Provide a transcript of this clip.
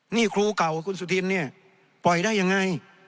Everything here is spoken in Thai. นี่ครูเก่ากับคุณสุธินเนี่ยปล่อยได้ยังไง